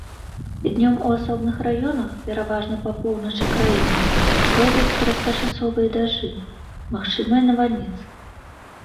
Днём у асобных раёнах, пераважна па поўначы краіны, пройдуць кароткачасовыя дажджы, магчымыя навальніцы.